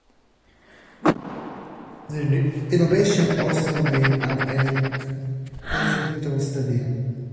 The renovation also made Atwood an exclusive football stadium.